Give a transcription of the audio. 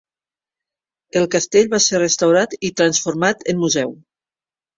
El castell va ser restaurat i transformat en museu.